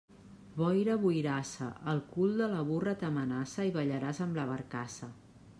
Boira boirassa, el cul de la burra t'amenaça i ballaràs amb la barcassa.